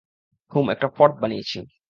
হুম, একটা ফর্দ বানিয়েছি।